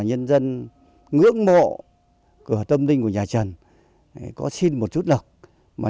như thế này là không phải là dài